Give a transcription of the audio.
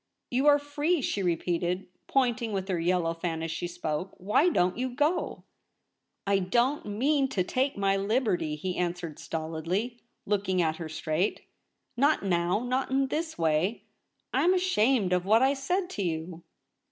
'You are free,' she repeated, pointing with her yellow fan as she spoke. 'Why don't you go ?'' I don't mean to take my liberty,' he answered stolidly, looking at her straight ;* not now — not in this way. I am ashamed of what I said to you.'